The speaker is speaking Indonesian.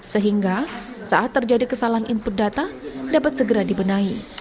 sehingga saat terjadi kesalahan input data dapat segera dibenahi